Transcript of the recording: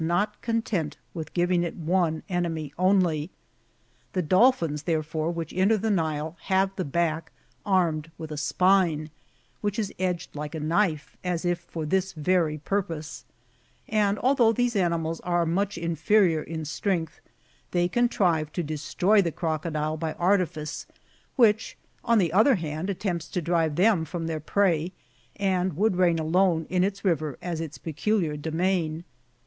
B. iv. c. 5. — B. The scincus is probably the " Lacerta ouaran" of Cuvier. Chap. 38.] THE SCINCUS. 289 the IN'ile, have the back armed with a spine,^^ which is edged like a knife, as if for this veiy purpose ; and although these animals are much inferior in strength, they contrive to de stroy the crocodile by artifice, which on the other hand at tempts to drive them from their prey, and would reign alone in its river as its peculiar domain.